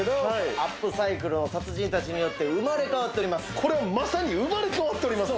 アップサイクルの達人たちによってこれはまさに生まれ変わっております。